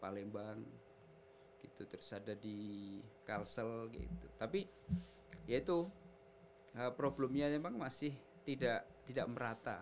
palembang gitu terus ada di kalsel gitu tapi ya itu problemnya memang masih tidak tidak merata